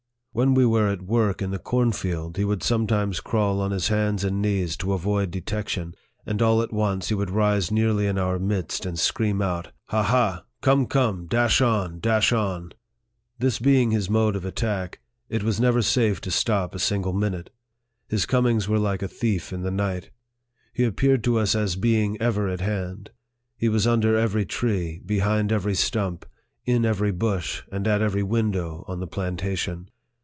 When we were at work in the cornfield, he would sometimes crawl on his hands and knees to avoid de tection, and all at once he would rise nearly in our midst, and scream out, " Ha, ha ! Come, come ! Dash on, dash on !" This being his mode of attack, it was never safe to stop a single minute. His com ings were like a thief in the night. He appeared to us as being ever at hand. He was under every tree, behind every stump, in every bush, and at every win dow, on the plantation.